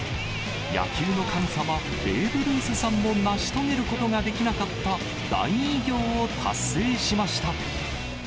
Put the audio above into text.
野球の神様、ベーブ・ルースさんもなし遂げることができなかった大偉業を達成しました。